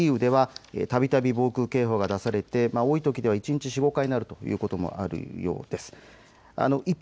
キーウではたびたび防空警報が出されて多いときでは一日４、５回鳴るということもあるようです。